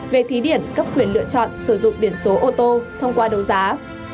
về thí điểm cấp quyền lựa chọn sử dụng biển số ô tô thông qua đấu giá